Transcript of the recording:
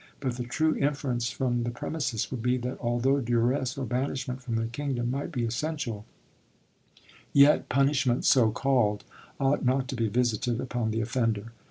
But the true inference from the premises would be that although duress or banishment from the kingdom might be essential, yet punishment, so called, ought not to be visited upon the offender.